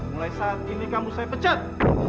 mulai saat ini kamu saya pecat